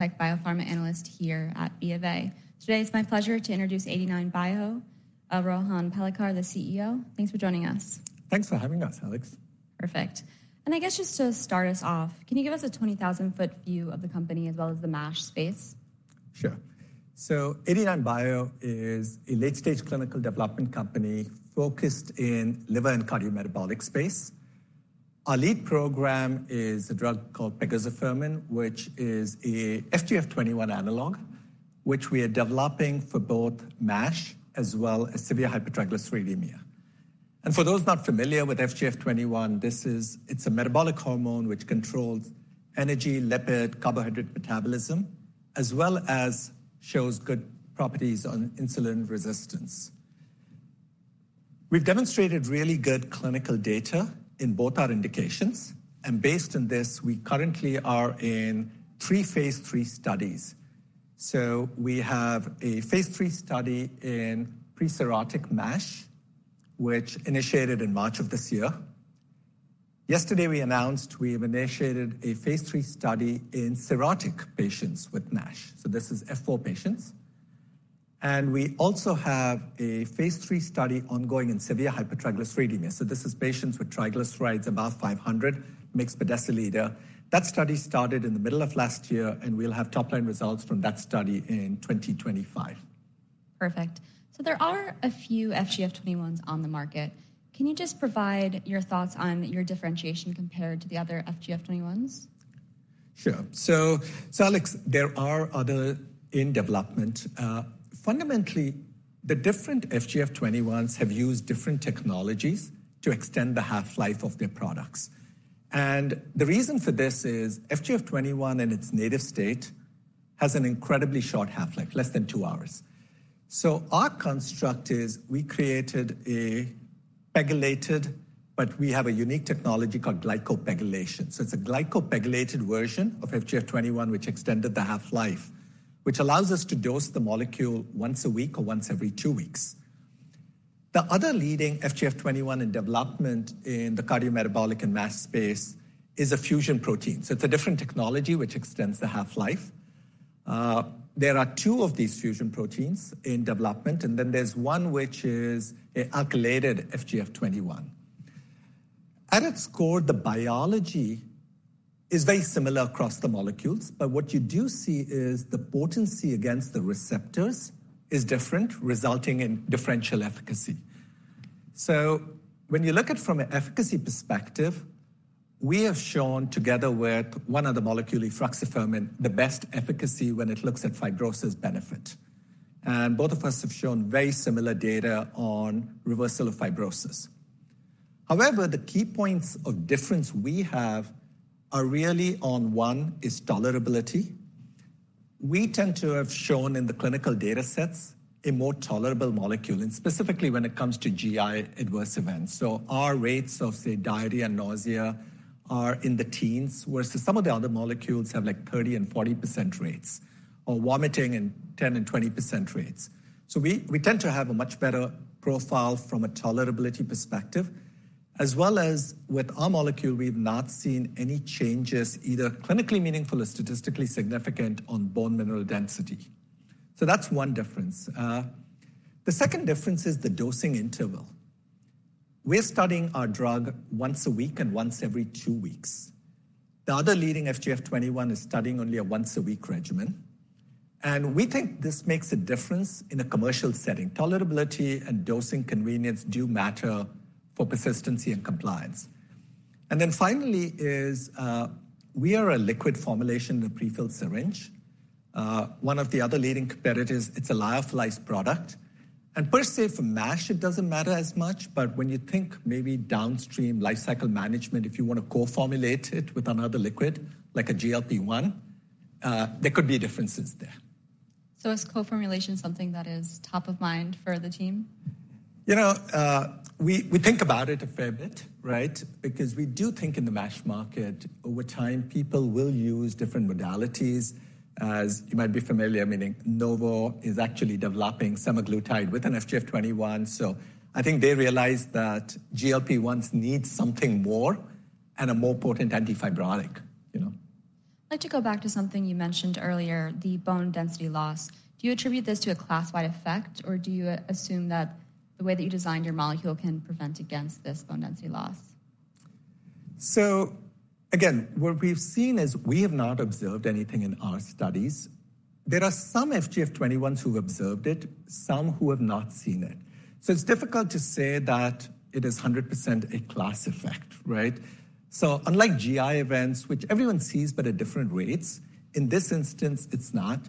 Tech Biopharma analyst here at B of A. Today it's my pleasure to introduce 89bio, Rohan Palekar, the CEO. Thanks for joining us. Thanks for having us, Alex. Perfect. I guess just to start us off, can you give us a 20,000-foot view of the company as well as the MASH space? Sure. So 89bio is a late-stage clinical development company focused in liver and cardiometabolic space. Our lead program is a drug called pegozafermin, which is an FGF21 analog, which we are developing for both MASH as well as severe hypertriglyceridemia. And for those not familiar with FGF21, it's a metabolic hormone which controls energy, lipid, carbohydrate metabolism, as well as shows good properties on insulin resistance. We've demonstrated really good clinical data in both our indications. And based on this, we currently are in three phase 3 studies. So we have a phase 3 study in pre-cirrhotic MASH, which initiated in March of this year. Yesterday we announced we have initiated a phase 3 study in cirrhotic patients with MASH. So this is F4 patients. And we also have a phase 3 study ongoing in severe hypertriglyceridemia. So this is patients with triglycerides above 500 mg per deciliter. That study started in the middle of last year, and we'll have top-line results from that study in 2025. Perfect. So there are a few FGF21s on the market. Can you just provide your thoughts on your differentiation compared to the other FGF21s? Sure. So, Alex, there are other in development. Fundamentally, the different FGF21s have used different technologies to extend the half-life of their products. And the reason for this is FGF21 in its native state has an incredibly short half-life, less than two hours. So our construct is we created a PEGylated, but we have a unique technology called glycoPEGylation. So it's a glycoPEGylated version of FGF21 which extended the half-life, which allows us to dose the molecule once a week or once every two weeks. The other leading FGF21 in development in the cardiometabolic and MASH space is a fusion protein. So it's a different technology which extends the half-life. There are two of these fusion proteins in development, and then there's one which is an acylated FGF21. At its core, the biology is very similar across the molecules, but what you do see is the potency against the receptors is different, resulting in differential efficacy. So when you look at it from an efficacy perspective, we have shown together with one other molecule, efruxifermin, the best efficacy when it looks at fibrosis benefit. And both of us have shown very similar data on reversal of fibrosis. However, the key points of difference we have are really on one is tolerability. We tend to have shown in the clinical data sets a more tolerable molecule, and specifically when it comes to GI adverse events. So our rates of, say, diarrhea and nausea are in the teens, whereas some of the other molecules have like 30% and 40% rates. Or vomiting and 10% and 20% rates. So we tend to have a much better profile from a tolerability perspective. As well as with our molecule, we have not seen any changes either clinically meaningful or statistically significant on bone mineral density. So that's one difference. The second difference is the dosing interval. We're studying our drug once a week and once every 2 weeks. The other leading FGF21 is studying only a once-a-week regimen. And we think this makes a difference in a commercial setting. Tolerability and dosing convenience do matter for persistency and compliance. And then finally is we are a liquid formulation in a prefilled syringe. One of the other leading competitors, it's a lyophilized product. And per se for MASH, it doesn't matter as much, but when you think maybe downstream lifecycle management, if you want to co-formulate it with another liquid, like a GLP-1, there could be differences there. Is co-formulation something that is top of mind for the team? You know, we think about it a fair bit, right? Because we do think in the MASH market, over time, people will use different modalities. As you might be familiar, meaning Novo is actually developing semaglutide with an FGF21. So I think they realize that GLP-1s need something more and a more potent antifibrotic, you know? I'd like to go back to something you mentioned earlier, the bone density loss. Do you attribute this to a class-wide effect, or do you assume that the way that you designed your molecule can prevent against this bone density loss? So again, what we've seen is we have not observed anything in our studies. There are some FGF21s who have observed it, some who have not seen it. So it's difficult to say that it is 100% a class effect, right? So unlike GI events, which everyone sees but at different rates, in this instance it's not.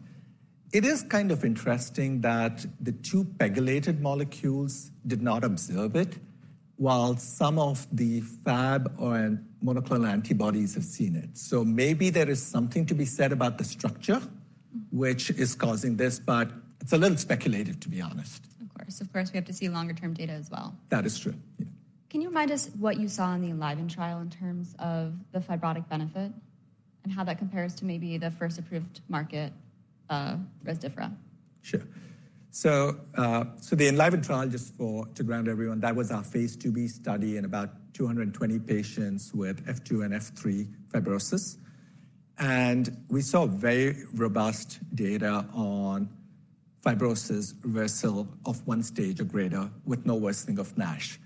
It is kind of interesting that the two Pegylated molecules did not observe it, while some of the Fab or monoclonal antibodies have seen it. So maybe there is something to be said about the structure, which is causing this, but it's a little speculative, to be honest. Of course. Of course, we have to see longer-term data as well. That is true. Can you remind us what you saw in the ENLIVEN trial in terms of the fibrotic benefit? And how that compares to maybe the first-approved market Rezdiffra? Sure. So the ENLIVEN trial, just to ground everyone, that was our phase 2b study in about 220 patients with F2 and F3 fibrosis. We saw very robust data on fibrosis reversal of one stage or greater with no worsening of MASH.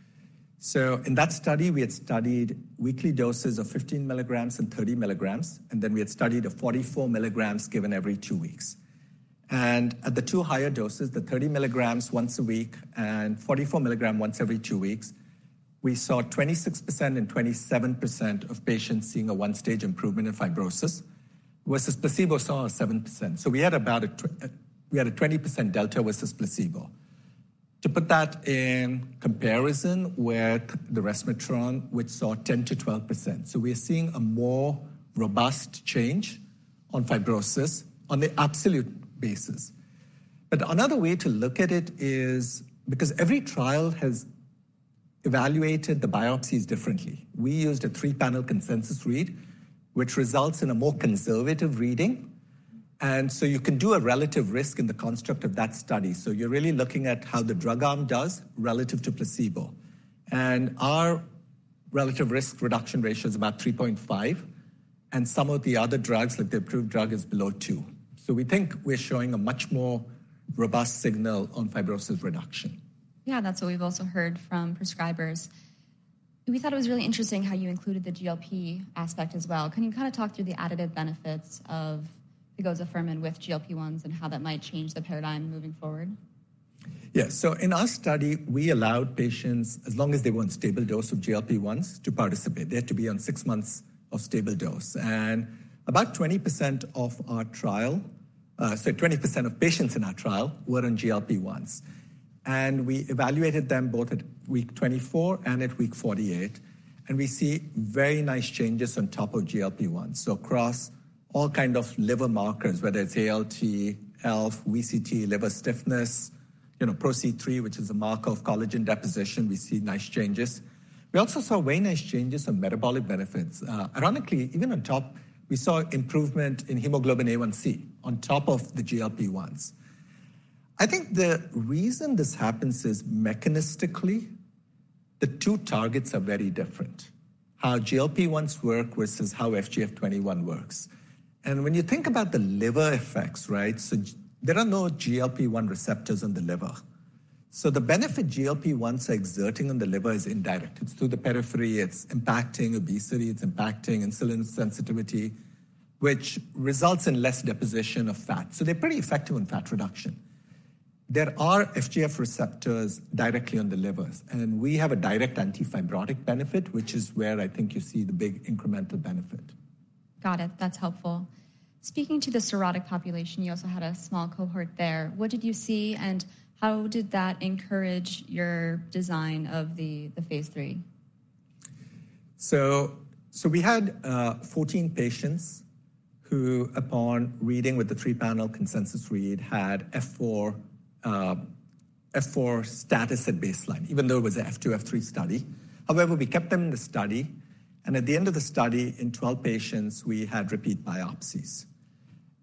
So in that study, we had studied weekly doses of 15 mg and 30 mg, and then we had studied a 44 mg given every two weeks. At the two higher doses, the 30 mg once a week and 44 mg once every two weeks, we saw 26% and 27% of patients seeing a one-stage improvement in fibrosis, whereas the placebo saw a 7%. So we had about a 20% delta with this placebo. To put that in comparison with the resmetirom, which saw 10%-12%. So we're seeing a more robust change on fibrosis on the absolute basis. But another way to look at it is because every trial has evaluated the biopsies differently. We used a 3-panel consensus read, which results in a more conservative reading. And so you can do a relative risk in the construct of that study. So you're really looking at how the drug arm does relative to placebo. And our relative risk reduction ratio is about 3.5. And some of the other drugs, like the approved drug, is below 2. So we think we're showing a much more robust signal on fibrosis reduction. Yeah, that's what we've also heard from prescribers. We thought it was really interesting how you included the GLP aspect as well. Can you kind of talk through the additive benefits of pegozafermin with GLP-1s and how that might change the paradigm moving forward? Yes. So in our study, we allowed patients, as long as they were on stable dose of GLP-1s, to participate. They had to be on six months of stable dose. And about 20% of our trial, sorry, 20% of patients in our trial were on GLP-1s. And we evaluated them both at week 24 and at week 48. And we see very nice changes on top of GLP-1s. So across all kinds of liver markers, whether it's ALT, ELF, VCTE, liver stiffness, you know, PRO-C3, which is a marker of collagen deposition, we see nice changes. We also saw very nice changes in metabolic benefits. Ironically, even on top, we saw improvement in hemoglobin A1c on top of the GLP-1s. I think the reason this happens is mechanistically, the two targets are very different. How GLP-1s work versus how FGF21 works. When you think about the liver effects, right? There are no GLP-1 receptors in the liver. The benefit GLP-1s are exerting on the liver is indirect. It's through the periphery. It's impacting obesity. It's impacting insulin sensitivity, which results in less deposition of fat. They're pretty effective in fat reduction. There are FGF receptors directly on the livers. We have a direct antifibrotic benefit, which is where I think you see the big incremental benefit. Got it. That's helpful. Speaking to the cirrhotic population, you also had a small cohort there. What did you see, and how did that encourage your design of the phase 3? So we had 14 patients who, upon reading with the three-panel consensus read, had F4 status at baseline, even though it was an F2, F3 study. However, we kept them in the study. And at the end of the study, in 12 patients, we had repeat biopsies.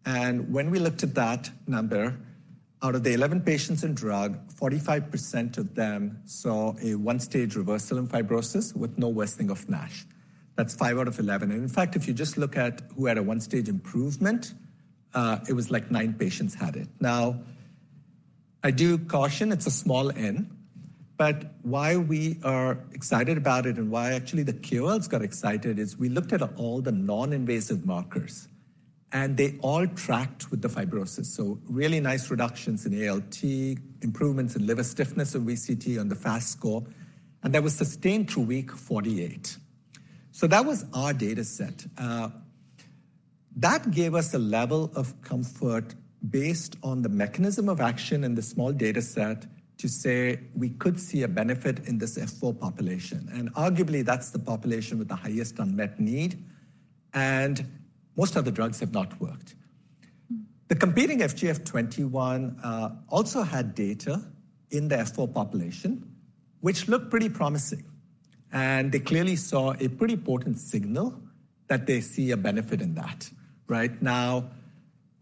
And when we looked at that number, out of the 11 patients in drug, 45% of them saw a one-stage reversal in fibrosis with no worsening of MASH. That's 5 out of 11. And in fact, if you just look at who had a one-stage improvement, it was like 9 patients had it. Now, I do caution, it's a small N. But why we are excited about it and why actually the KOLs got excited is we looked at all the non-invasive markers. And they all tracked with the fibrosis. So really nice reductions in ALT, improvements in liver stiffness and VCTE on the FAST score. And that was sustained through week 48. So that was our data set. That gave us a level of comfort based on the mechanism of action in the small data set to say we could see a benefit in this F4 population. And arguably, that's the population with the highest unmet need. And most other drugs have not worked. The competing FGF21 also had data in the F4 population, which looked pretty promising. And they clearly saw a pretty potent signal that they see a benefit in that, right?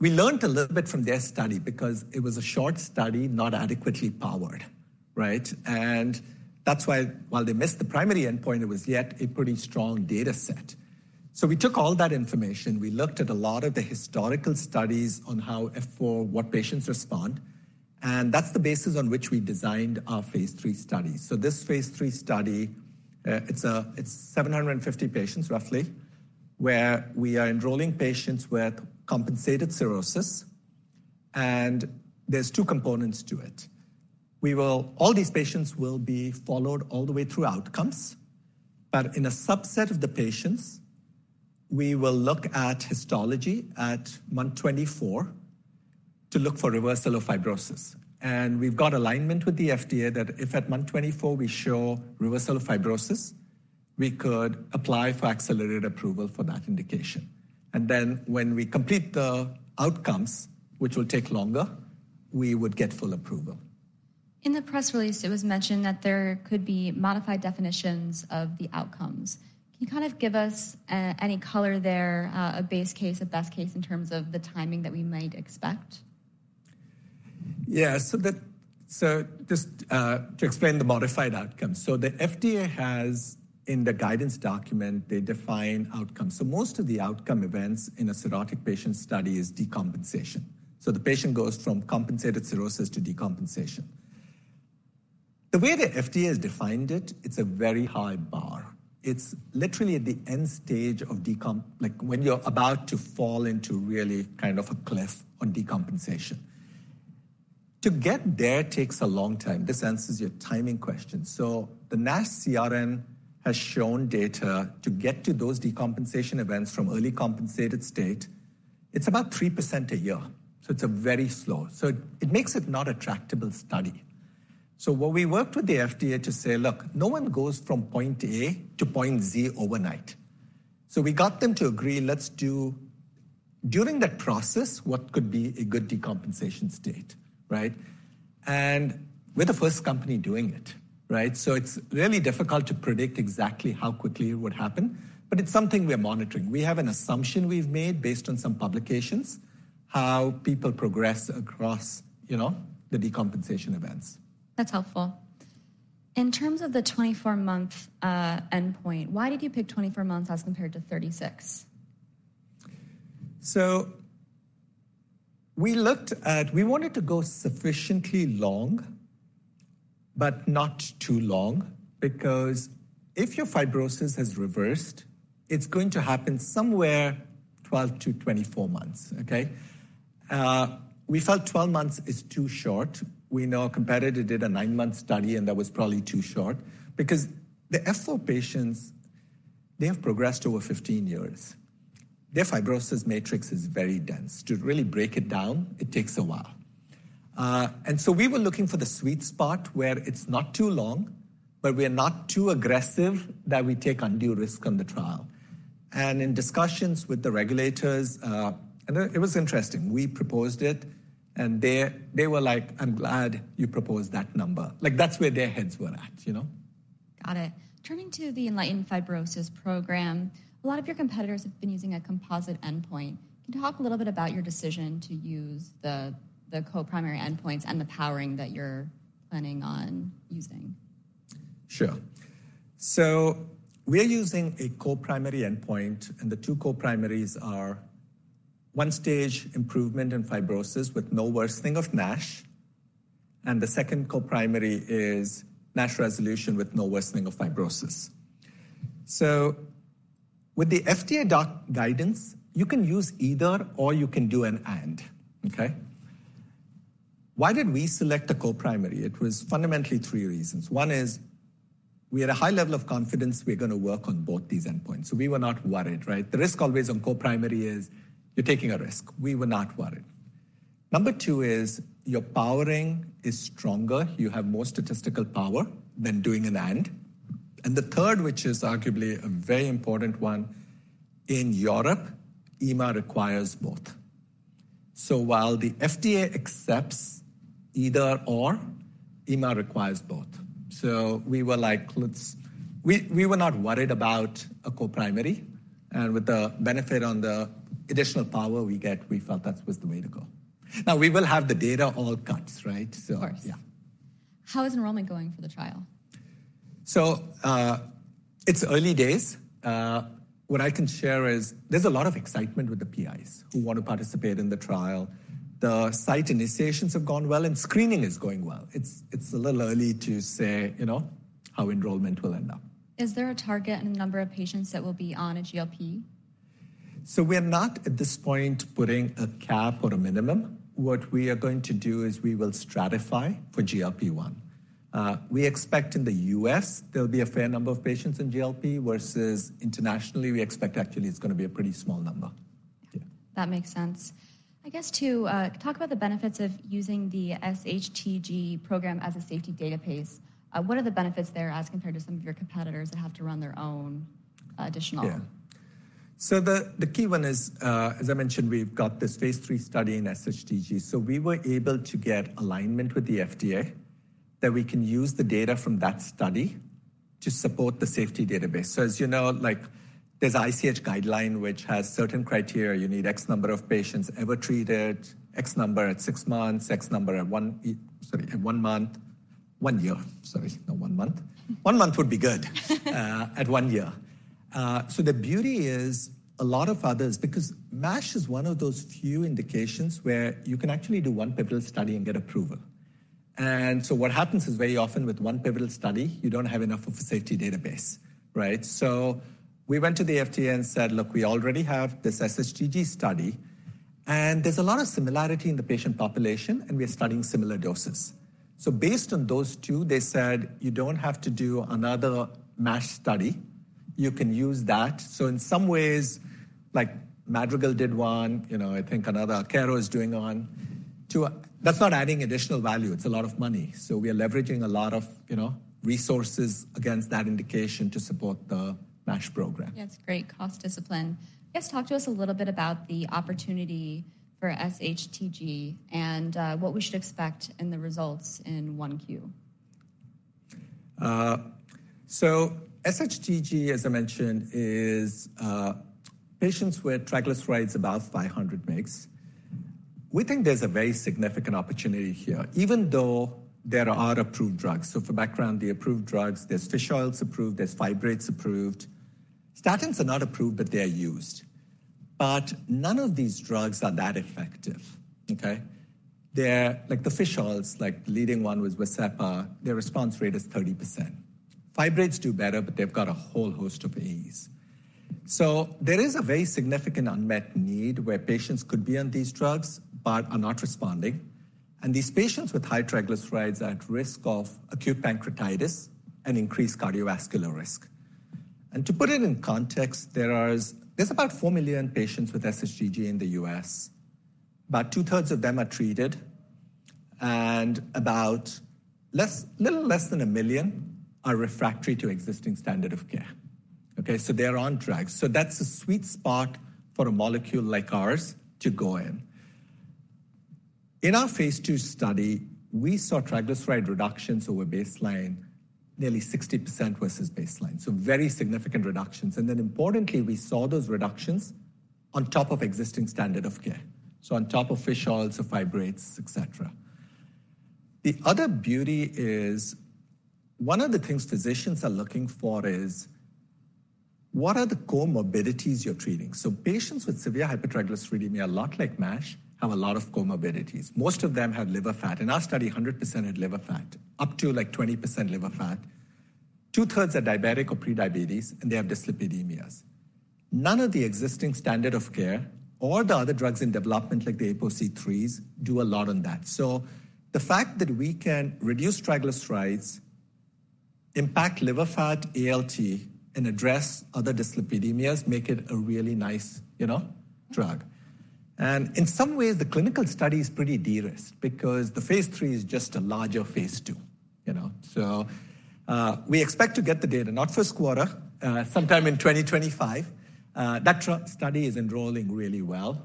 Now, we learned a little bit from their study because it was a short study, not adequately powered, right? And that's why, while they missed the primary endpoint, it was yet a pretty strong data set. So we took all that information. We looked at a lot of the historical studies on how F4, what patients respond. That's the basis on which we designed our phase 3 study. This phase 3 study, it's 750 patients, roughly. Where we are enrolling patients with compensated cirrhosis. There's two components to it. We will, all these patients will be followed all the way through outcomes. But in a subset of the patients, we will look at histology at month 24 to look for reversal of fibrosis. We've got alignment with the FDA that if at month 24 we show reversal of fibrosis, we could apply for accelerated approval for that indication. Then when we complete the outcomes, which will take longer, we would get full approval. In the press release, it was mentioned that there could be modified definitions of the outcomes. Can you kind of give us any color there, a base case, a best case in terms of the timing that we might expect? Yeah, so just to explain the modified outcomes. So the FDA has, in the guidance document, they define outcomes. So most of the outcome events in a cirrhotic patient study is decompensation. So the patient goes from compensated cirrhosis to decompensation. The way the FDA has defined it, it's a very high bar. It's literally at the end stage of decompensation, like when you're about to fall into really kind of a cliff on decompensation. To get there takes a long time. This answers your timing question. So the NASH CRN has shown data to get to those decompensation events from early compensated state, it's about 3% a year. So it's very slow. So it makes it not a tractable study. So what we worked with the FDA to say, look, no one goes from point A to point Z overnight. So we got them to agree, let's do, during that process, what could be a good decompensation state, right? And we're the first company doing it, right? So it's really difficult to predict exactly how quickly it would happen. But it's something we're monitoring. We have an assumption we've made based on some publications, how people progress across, you know, the decompensation events. That's helpful. In terms of the 24-month endpoint, why did you pick 24 months as compared to 36? So we looked at, we wanted to go sufficiently long. But not too long. Because if your fibrosis has reversed, it's going to happen somewhere 12 months-24 months, okay? We felt 12 months is too short. We know a competitor did a 9-month study and that was probably too short. Because the F4 patients, they have progressed over 15 years. Their fibrosis matrix is very dense. To really break it down, it takes a while. And so we were looking for the sweet spot where it's not too long, but we're not too aggressive that we take undue risk on the trial. And in discussions with the regulators, and it was interesting, we proposed it. And they were like, I'm glad you proposed that number. Like that's where their heads were at, you know? Got it. Turning to the ENLIGHTEN-Fibrosis program, a lot of your competitors have been using a composite endpoint. Can you talk a little bit about your decision to use the co-primary endpoints and the powering that you're planning on using? Sure. So we're using a co-primary endpoint. And the two co-primaries are one-stage improvement in fibrosis with no worsening of MASH. And the second co-primary is MASH resolution with no worsening of fibrosis. So with the FDA guidance, you can use either or you can do an and, okay? Why did we select a co-primary? It was fundamentally three reasons. One is we had a high level of confidence we're going to work on both these endpoints. So we were not worried, right? The risk always on co-primary is you're taking a risk. We were not worried. Number two is your powering is stronger. You have more statistical power than doing an and. And the third, which is arguably a very important one, in Europe, EMA requires both. So while the FDA accepts either or, EMA requires both. So we were like, let's, we were not worried about a co-primary. And with the benefit on the additional power we get, we felt that was the way to go. Now, we will have the data all cuts, right? Of course. Yeah. How is enrollment going for the trial? It's early days. What I can share is there's a lot of excitement with the PIs who want to participate in the trial. The site initiations have gone well and screening is going well. It's a little early to say, you know, how enrollment will end up. Is there a target and a number of patients that will be on a GLP? We're not at this point putting a cap or a minimum. What we are going to do is we will stratify for GLP-1. We expect in the U.S., there'll be a fair number of patients in GLP versus internationally, we expect actually it's going to be a pretty small number. That makes sense. I guess to talk about the benefits of using the SHTG program as a safety database, what are the benefits there as compared to some of your competitors that have to run their own additional? Yeah. So the key one is, as I mentioned, we've got this phase 3 study in SHTG. So we were able to get alignment with the FDA that we can use the data from that study to support the safety database. So as you know, like there's an ICH guideline which has certain criteria. You need X number of patients ever treated, X number at six months, X number at one, sorry, at one month, one year, sorry, not one month. One month would be good. At one year. So the beauty is a lot of others, because MASH is one of those few indications where you can actually do one pivotal study and get approval. And so what happens is very often with one pivotal study, you don't have enough of a safety database, right? So we went to the FDA and said, look, we already have this SHTG study. And there's a lot of similarity in the patient population and we're studying similar doses. So based on those two, they said you don't have to do another MASH study. You can use that. So in some ways, like Madrigal did one, you know, I think another Akero is doing one. That's not adding additional value. It's a lot of money. So we are leveraging a lot of, you know, resources against that indication to support the MASH program. Yeah, it's great cost discipline. I guess talk to us a little bit about the opportunity for SHTG and what we should expect in the results in 1Q. So SHTG, as I mentioned, is patients with triglycerides above 500 mg/dL. We think there's a very significant opportunity here, even though there are approved drugs. So for background, the approved drugs, there's fish oils approved, there's fibrates approved. Statins are not approved, but they're used. But none of these drugs are that effective, okay? They're like the fish oils, like the leading one was Vascepa. Their response rate is 30%. Fibrates do better, but they've got a whole host of AEs. So there is a very significant unmet need where patients could be on these drugs, but are not responding. And these patients with high triglycerides are at risk of acute pancreatitis and increased cardiovascular risk. And to put it in context, there are about 4,000,000 patients with SHTG in the U.S. About two-thirds of them are treated. About a little less than a million are refractory to existing standard of care, okay? So they're on drugs. So that's a sweet spot for a molecule like ours to go in. In our phase 2 study, we saw triglyceride reductions over baseline, nearly 60% versus baseline. So very significant reductions. And then importantly, we saw those reductions on top of existing standard of care. So on top of fish oils or fibrates, et cetera. The other beauty is one of the things physicians are looking for is what are the comorbidities you're treating? So patients with severe hypertriglyceridemia, a lot like MASH, have a lot of comorbidities. Most of them have liver fat. In our study, 100% had liver fat, up to like 20% liver fat. Two-thirds are diabetic or pre-diabetes and they have dyslipidemias. None of the existing standard of care or the other drugs in development like the ApoC3s do a lot on that. So the fact that we can reduce triglycerides, impact liver fat, ALT, and address other dyslipidemias, make it a really nice, you know, drug. And in some ways, the clinical study is pretty de-risked because the phase 3 is just a larger phase 2, you know? So we expect to get the data, not first quarter, sometime in 2025. That study is enrolling really well.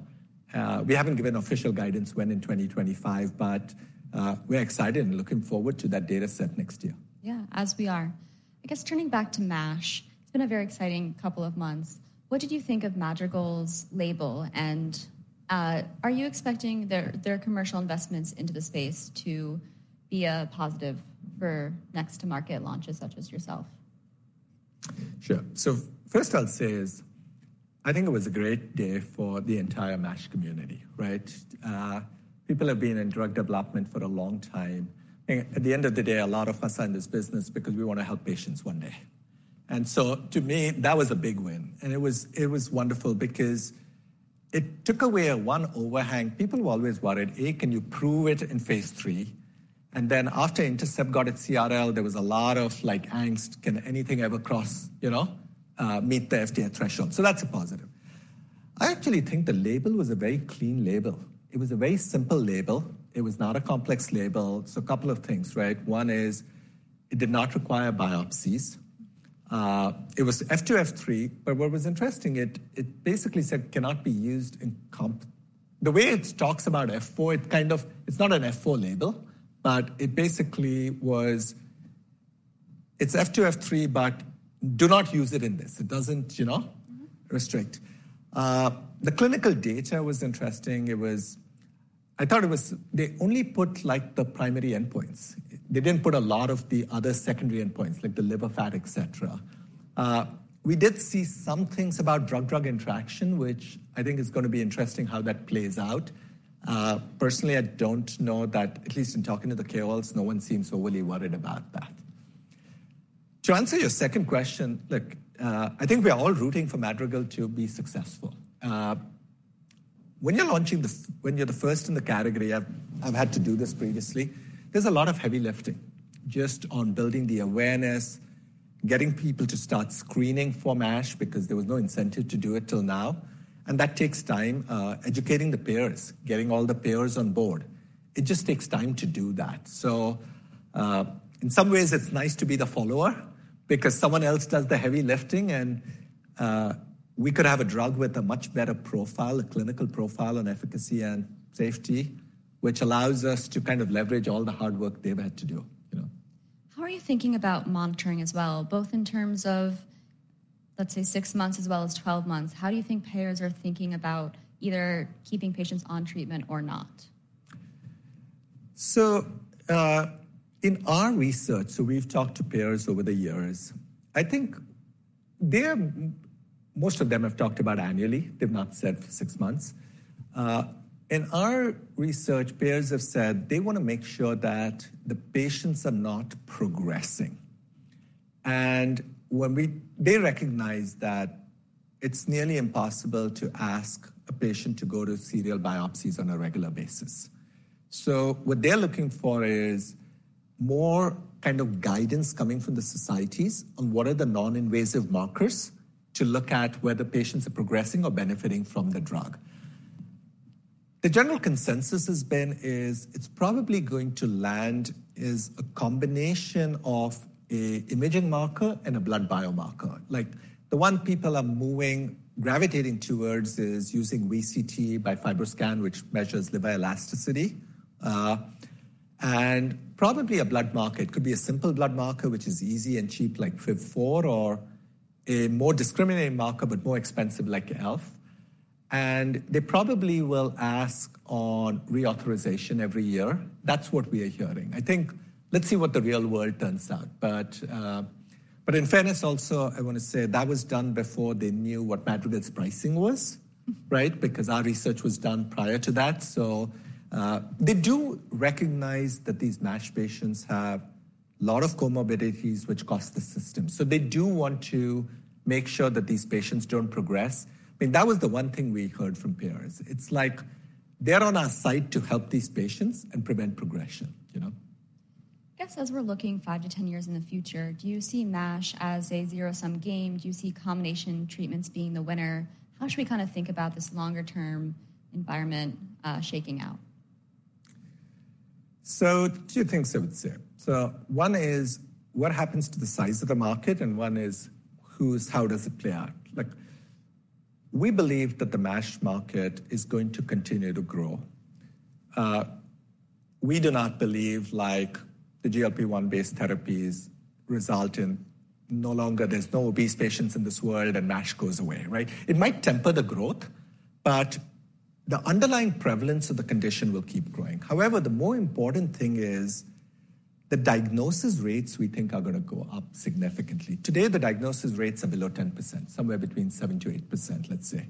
We haven't given official guidance when in 2025, but we're excited and looking forward to that data set next year. Yeah, as we are. I guess turning back to MASH, it's been a very exciting couple of months. What did you think of Madrigal's label? And are you expecting their commercial investments into the space to be a positive for next-to-market launches such as yourself? Sure. So first I'll say is I think it was a great day for the entire MASH community, right? People have been in drug development for a long time. At the end of the day, a lot of us are in this business because we want to help patients one day. And so to me, that was a big win. And it was wonderful because it took away one overhang. People were always worried, hey, can you prove it in phase 3? And then after Intercept got its CRL, there was a lot of like angst, can anything ever cross, you know, meet the FDA threshold? So that's a positive. I actually think the label was a very clean label. It was a very simple label. It was not a complex label. So a couple of things, right? One is it did not require biopsies. It was F2-F3, but what was interesting, it basically said cannot be used in the way it talks about F4, it kind of, it's not an F4 label. But it basically was, it's F2-F3, but do not use it in this. It doesn't, you know, restrict. The clinical data was interesting. It was, I thought it was, they only put like the primary endpoints. They didn't put a lot of the other secondary endpoints, like the liver fat, et cetera. We did see some things about drug-drug interaction, which I think is going to be interesting how that plays out. Personally, I don't know that, at least in talking to the KOLs, no one seems overly worried about that. To answer your second question, look, I think we're all rooting for Madrigal to be successful. When you're launching, when you're the first in the category, I've had to do this previously, there's a lot of heavy lifting. Just on building the awareness, getting people to start screening for MASH because there was no incentive to do it till now. And that takes time. Educating the payers, getting all the payers on board. It just takes time to do that. So in some ways, it's nice to be the follower because someone else does the heavy lifting and we could have a drug with a much better profile, a clinical profile on efficacy and safety, which allows us to kind of leverage all the hard work they've had to do, you know? How are you thinking about monitoring as well, both in terms of, let's say, 6 months as well as 12 months? How do you think payers are thinking about either keeping patients on treatment or not? So in our research, we've talked to payers over the years. I think most of them have talked about annually. They've not said six months. In our research, payers have said they want to make sure that the patients are not progressing. And when we, they recognize that it's nearly impossible to ask a patient to go to serial biopsies on a regular basis. So what they're looking for is more kind of guidance coming from the societies on what are the non-invasive markers to look at whether patients are progressing or benefiting from the drug. The general consensus has been is it's probably going to land as a combination of an imaging marker and a blood biomarker. Like the one people are moving, gravitating towards is using VCTE by FibroScan, which measures liver elasticity. And probably a blood marker, it could be a simple blood marker, which is easy and cheap like FIB-4, or a more discriminating marker, but more expensive like ELF. They probably will ask on reauthorization every year. That's what we are hearing. I think, let's see what the real world turns out. But in fairness also, I want to say that was done before they knew what Madrigal's pricing was, right? Because our research was done prior to that. So they do recognize that these MASH patients have a lot of comorbidities which cost the system. So they do want to make sure that these patients don't progress. I mean, that was the one thing we heard from payers. It's like they're on our side to help these patients and prevent progression, you know? I guess as we're looking 5 years-10 years in the future, do you see MASH as a zero-sum game? Do you see combination treatments being the winner? How should we kind of think about this longer-term environment shaking out? So two things I would say. So one is what happens to the size of the market and one is how does it play out? Like we believe that the MASH market is going to continue to grow. We do not believe like the GLP-1 based therapies result in no longer, there's no obese patients in this world and MASH goes away, right? It might temper the growth, but the underlying prevalence of the condition will keep growing. However, the more important thing is the diagnosis rates we think are going to go up significantly. Today, the diagnosis rates are below 10%, somewhere between 7%-8%, let's say.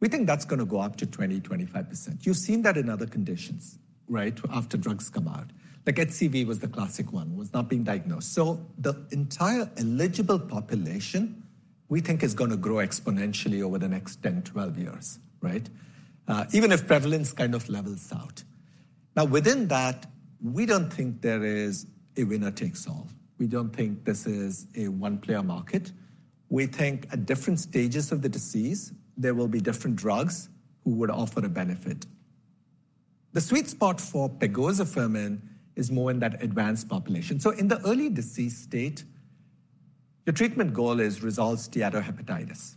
We think that's going to go up to 20%-25%. You've seen that in other conditions, right? After drugs come out. Like HCV was the classic one, was not being diagnosed. So the entire eligible population we think is going to grow exponentially over the next 10, 12 years, right? Even if prevalence kind of levels out. Now within that, we don't think there is a winner takes all. We don't think this is a one-player market. We think at different stages of the disease, there will be different drugs who would offer a benefit. The sweet spot for pegozafermin is more in that advanced population. So in the early disease state, your treatment goal is resolve steatohepatitis.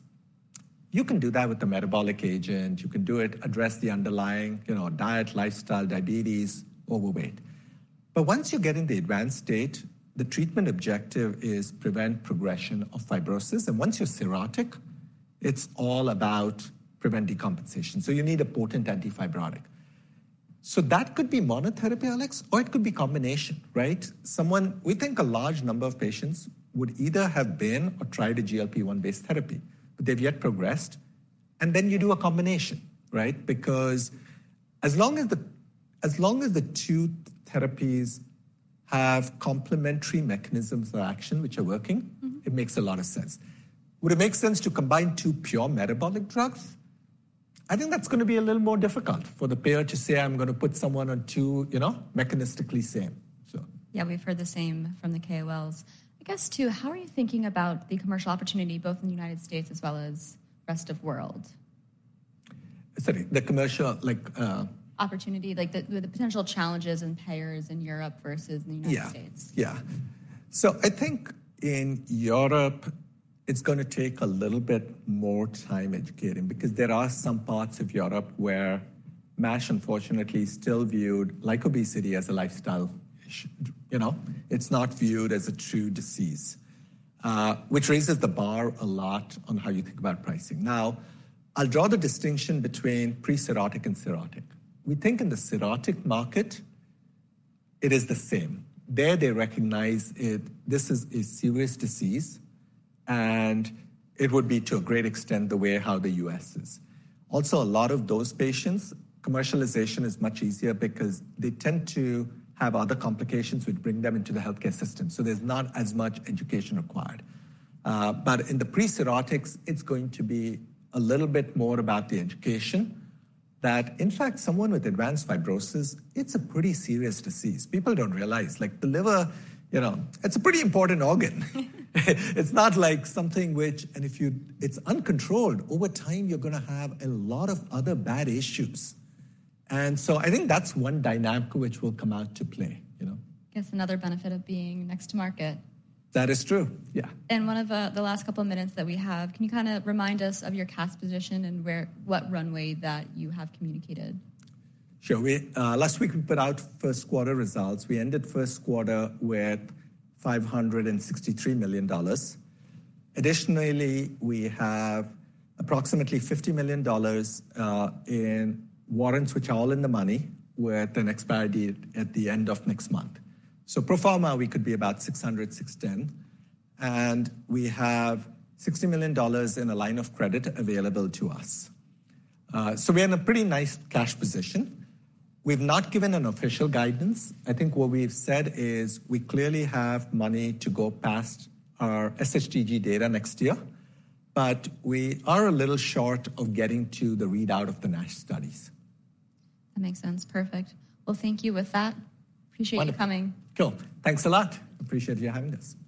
You can do that with a metabolic agent. You can do it, address the underlying, you know, diet, lifestyle, diabetes, overweight. But once you get in the advanced state, the treatment objective is to prevent progression of fibrosis. And once you're cirrhotic, it's all about preventing decompensation. So you need a potent antifibrotic. So that could be monotherapy, Alex, or it could be a combination, right? Someone, we think a large number of patients would either have been or tried a GLP-1 based therapy, but they've yet progressed. And then you do a combination, right? Because as long as the two therapies have complementary mechanisms of action, which are working, it makes a lot of sense. Would it make sense to combine two pure metabolic drugs? I think that's going to be a little more difficult for the payer to say I'm going to put someone on two, you know, mechanistically same. Yeah, we've heard the same from the KOLs. I guess too, how are you thinking about the commercial opportunity, both in the United States as well as the rest of the world? Sorry, the commercial, like. Opportunity, like the potential challenges and payers in Europe versus the United States. Yeah. So I think in Europe, it's going to take a little bit more time educating because there are some parts of Europe where MASH, unfortunately, is still viewed like obesity as a lifestyle issue, you know? It's not viewed as a true disease, which raises the bar a lot on how you think about pricing. Now, I'll draw the distinction between pre-cirrhotic and cirrhotic. We think in the cirrhotic market, it is the same. There, they recognize this is a serious disease. And it would be to a great extent the way how the U.S. is. Also, a lot of those patients, commercialization is much easier because they tend to have other complications which bring them into the healthcare system. So there's not as much education required. But in the pre-cirrhotics, it's going to be a little bit more about the education. That in fact, someone with advanced fibrosis, it's a pretty serious disease. People don't realize, like the liver, you know, it's a pretty important organ. It's not like something which, and if you, it's uncontrolled, over time you're going to have a lot of other bad issues. And so I think that's one dynamic which will come out to play, you know. I guess another benefit of being next to market. That is true. Yeah. One of the last couple of minutes that we have, can you kind of remind us of your cash position and what runway that you have communicated? Sure. Last week, we put out first quarter results. We ended first quarter with $563,000,000. Additionally, we have approximately $50,000,000 in warrants, which are all in the money, with an expiry date at the end of next month. So pro forma we could be about $600, $610. And we have $60,000,000 in a line of credit available to us. So we're in a pretty nice cash position. We've not given an official guidance. I think what we've said is we clearly have money to go past our SHTG data next year. But we are a little short of getting to the readout of the NASH studies. That makes sense. Perfect. Well, thank you with that. Appreciate you coming. Cool. Thanks a lot. Appreciate you having us.